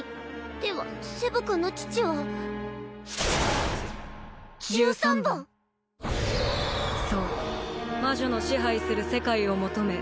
ではセブ君の父は十三番そう魔女の支配する世界を求め